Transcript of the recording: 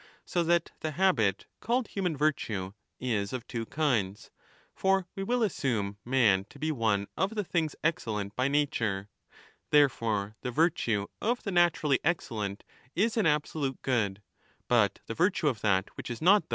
15 So that the habit called human virtue is of two kinds, for we will assume man to be one of the things excellent by nature ; therefore '' the virtue of the naturally excellent is an absolute good, but the virtue of that which is not thus * For wj read a> (Spengel).